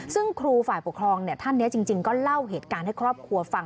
ซึ่งครูฝ่ายปกครองท่านนี้จริงก็เล่าเหตุการณ์ให้ครอบครัวฟัง